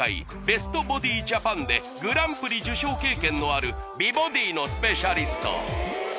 ベストボディジャパンでグランプリ受賞経験のある美ボディのスペシャリスト